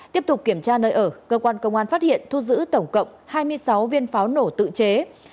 tiếp tục kiểm tra nơi ở cơ quan công an phát hiện thu giữ tổng cộng hai mươi sáu viên pháo nổ tự chế